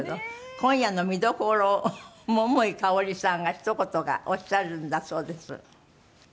今夜の見どころを桃井かおりさんがひと言おっしゃるんだそうです。